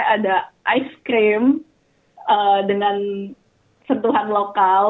ada ice cream dengan sentuhan lokal